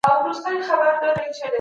چې هغوی هم ستاسې سره یوځای شي.